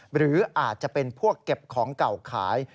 หรืออาจจะเป็นพวกเก็บของเก่าขาย